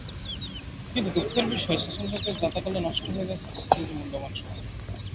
কিন্তু দুঃখের বিষয়, সেশনজটের জাঁতাকলে নষ্ট হয়ে যায় ছাত্রছাত্রীদের মূল্যবান সময়।